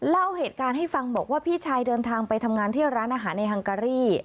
เล่าเหตุการณ์ให้ฟังบอกว่าพี่ชายเดินทางไปทำงานที่ร้านอาหารในฮังการี่